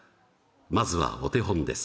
まずはお手本です